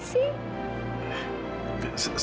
makasih ya kak vanya makasih